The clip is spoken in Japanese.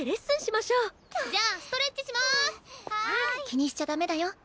気にしちゃダメだよ。